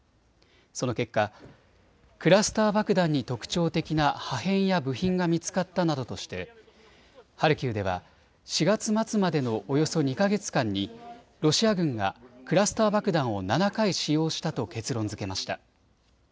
その結果、クラスター爆弾に特徴的な破片や部品が見つかったなどとしてハルキウでは４月末までのおよそ２か月間にロシア軍がクラスター爆弾を７回使用したと結論づけました。